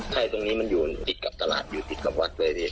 ใช่ตรงนี้มันติดกับตลาดติดกับวัดเลย